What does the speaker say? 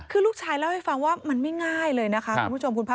คือลูกชายเล่าให้ฟังว่ามันไม่ง่ายเลยนะคะ